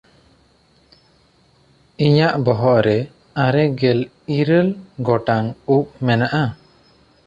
ᱤᱧᱟᱜ ᱵᱚᱦᱚᱜ ᱨᱮ ᱟᱨᱮ ᱜᱮᱞ ᱤᱨᱟᱹᱞ ᱜᱚᱴᱟᱝ ᱩᱵ ᱢᱮᱱᱟᱜᱼᱟ᱾